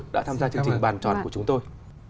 đã tham gia chương trình bàn tròn của chúng tôi